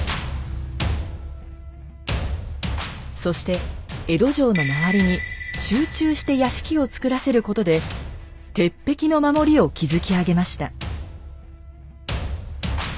そして江戸城の周りに集中して屋敷を造らせることで鉄壁の守りを築き上げました。